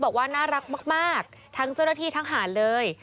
บอกว่าน่ารักมากทั้งเจ้าหน้าที่ทั้งหารเลย